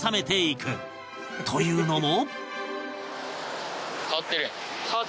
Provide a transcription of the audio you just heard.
というのも